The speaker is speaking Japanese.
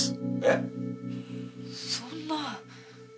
そんな。